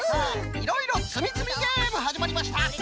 いろいろつみつみゲームはじまりました。